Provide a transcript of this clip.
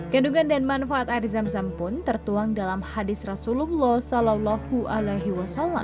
kandungan dan manfaat air zam zam pun tertuang dalam hadis rasulullah saw